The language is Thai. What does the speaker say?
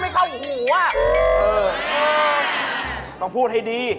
ต้องพูดให้ดี